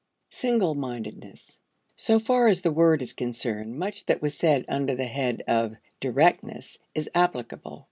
Single mindedness. So far as the word is concerned, much that was said under the head of "directness" is applicable.